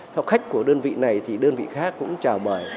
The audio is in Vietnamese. học khách của đơn vị này thì đơn vị khác cũng chào mời